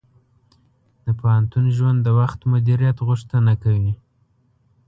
د پوهنتون ژوند د وخت مدیریت غوښتنه کوي.